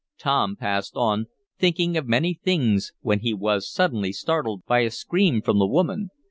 Tom passed on, thinking of many things, when he was suddenly startled by a scream from the woman.